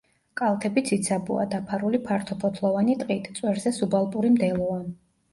კალთები ციცაბოა, დაფარული ფართოფოთლოვანი ტყით; წვერზე სუბალპური მდელოა.